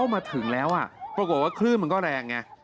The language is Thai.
ปรากฏว่าคลื่นมันก็แรงไง